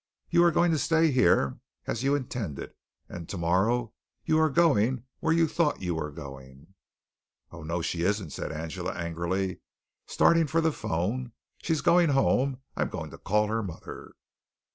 You are going to stay here, as you intended, and tomorrow you are going where you thought you were going." "Oh, no, she isn't!" said Angela angrily, starting for the phone. "She is going home. I'm going to call her mother."